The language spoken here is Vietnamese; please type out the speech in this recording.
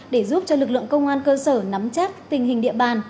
để giúp cho lực lượng công an cơ sở nắm chắc tình hình địa bàn